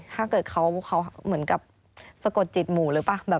ถ้าเกิดเขาเหมือนกับสะกดจิตหมูหรือเปล่า